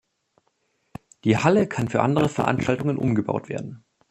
Die Halle kann für andere Veranstaltungen umgebaut werden.